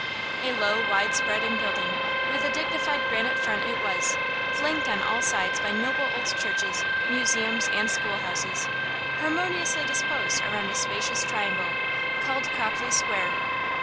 A low, wide spreading building with a dignified granite front it was, flanked on all sides by noble old churches, museums, and school houses, harmoniously disposed around a spacious triangle, called Copley Square.